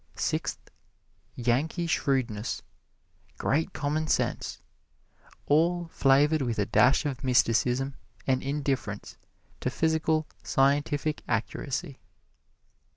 Sixth, Yankee shrewdness, great commonsense, all flavored with a dash of mysticism and indifference to physical scientific accuracy.